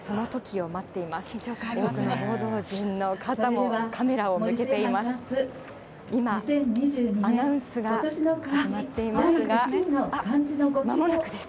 多くの報道陣の方もカメラを向けています。